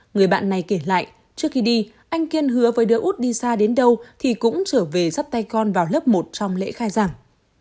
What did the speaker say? người bạn này kể lại trước khi đi anh kiên hứa với đỡ út đi xa đến đâu thì cũng trở về dắt tay con vào lớp một trong lễ khai giảng